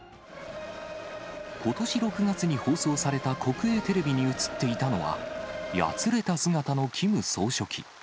ことし６月に放送された国営テレビに映っていたのは、やつれた姿のキム総書記。